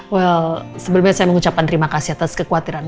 well sebelumnya saya mengucapkan terima kasih atas kekhawatiran